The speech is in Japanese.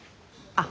あっ。